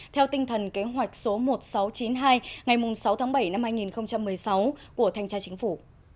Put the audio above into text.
theo tinh thần kế hoạch số một nghìn sáu trăm chín mươi hai ngày sáu tháng bảy năm hai nghìn một mươi sáu của thanh tra chính phủ